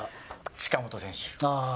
近本選手。